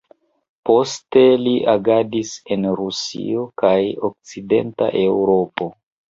Poste li agadis en Rusio kaj okcidenta Eŭropo.